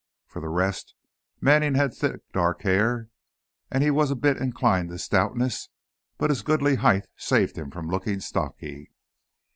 For the rest, Manning had thick, dark hair, and he was a bit inclined to stoutness, but his goodly height saved him from looking stocky.